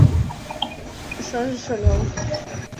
— Ӱшанже шагал.